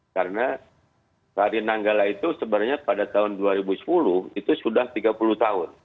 karena hari nanggala itu sebenarnya pada tahun dua ribu sepuluh itu sudah tiga puluh tahun